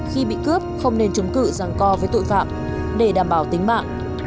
khi bị cướp không nên chống cự rằng co với tội phạm để đảm bảo tính mạng